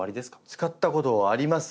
使ったことあります。